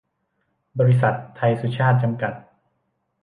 บริษัท ไทยสุชาต จำกัด